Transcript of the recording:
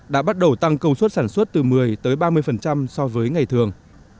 đã bắt đầu tăng công suất sản xuất từ một mươi tới ba mươi so với ngày thường